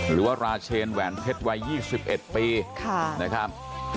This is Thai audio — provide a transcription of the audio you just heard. หรือว่าราเชนแหวนเพชรวัย๒๑ปีนะครับ